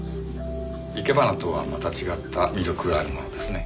生け花とはまた違った魅力があるものですね。